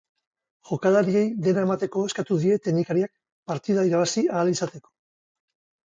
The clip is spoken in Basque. Jokalariei dena emateko eskatu die teknikariak partida irabazi ahal izateko.